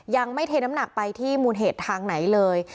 ยังไม่เทน้ำหนักไปที่มูลเหตุทางไหนเลย